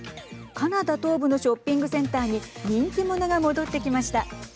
カナダ東部のショッピングセンターに人気者が戻ってきました。